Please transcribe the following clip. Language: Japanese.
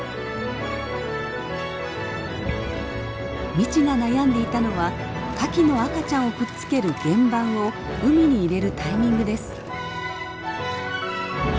未知が悩んでいたのはカキの赤ちゃんをくっつける原盤を海に入れるタイミングです。